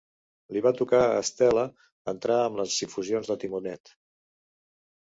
Li va tocar a Estela entrar amb les infusions de timonet.